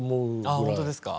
ああ本当ですか？